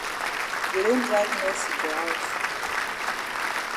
Dey don drive Mercy for haus.